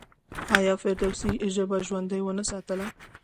آیا فردوسي ژبه ژوندۍ ونه ساتله؟